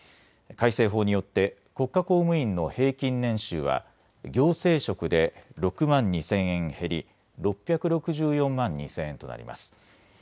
改正法によって国家公務員の平均年収は行政職で６万２０００円減り６６４万２０００円となります。